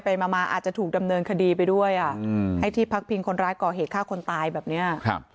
ไปมาอาจจะถูกดำเนินคดีไปด้วยให้ที่พักพิงคนร้ายก่อเหตุฆ่าคนตายแบบนี้